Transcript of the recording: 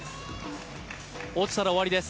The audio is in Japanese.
落ちたら終わりです。